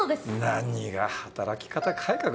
何が働き方改革だ。